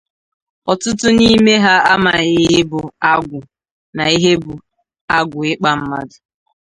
ọtụtụ n'ime ha amaghị ihe bụ agwụ na ihe bụ agwụ ịkpa mmadụ